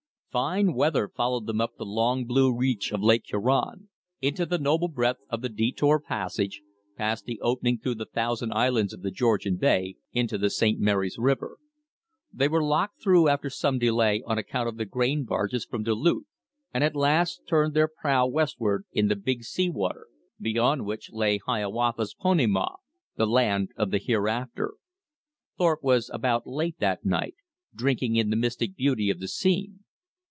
Fine weather followed them up the long blue reach of Lake Huron; into the noble breadth of the Detour Passage, past the opening through the Thousand Islands of the Georgian Bay; into the St. Mary's River. They were locked through after some delay on account of the grain barges from Duluth, and at last turned their prow westward in the Big Sea Water, beyond which lay Hiawatha's Po ne mah, the Land of the Hereafter. Thorpe was about late that night, drinking in the mystic beauty of the scene.